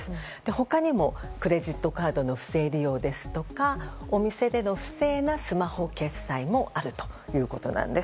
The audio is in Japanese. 他にもクレジットカードの不正利用ですとかお店での不正なスマホ決済もあるということなんです。